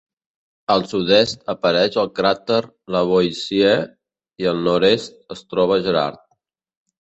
Al sud-est apareix el cràter Lavoisier, i al nord-est es troba Gerard.